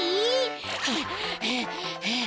はあはあはあ。